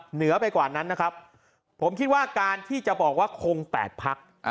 เหนือไปกว่านั้นนะครับผมคิดว่าการที่จะบอกว่าคง๘พัก